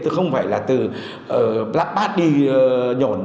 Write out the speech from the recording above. không phải là từ bát đi nhổn